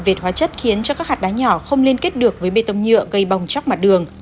vệt hóa chất khiến cho các hạt đá nhỏ không liên kết được với bê tông nhựa gây bong chóc mặt đường